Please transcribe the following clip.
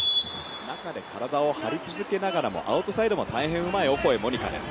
中で体を張り続けながらもアウトサイドも大変うまいオコエ桃仁花です。